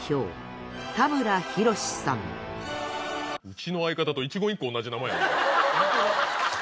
うちの相方と一言一句同じ名前。